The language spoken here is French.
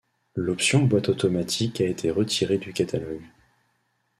L'option boîte automatique a été retirée du catalogue.